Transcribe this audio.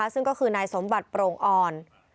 ซึ่งก็คือนายสมบัติโปร่งอ่อน